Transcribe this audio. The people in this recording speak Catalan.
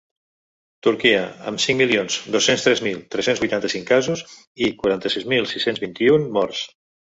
Turquia, amb cinc milions dos-cents tres mil tres-cents vuitanta-cinc casos i quaranta-sis mil sis-cents vint-i-un morts.